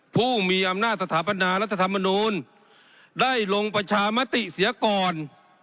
ผู้มีอำนาจสถาปนารัฐธรรมนูลได้ลงประชามติเสียก่อน